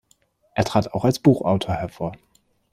Er trat auch als Buchautor hervor.